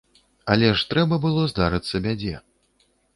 Але ж трэба было здарыцца бядзе.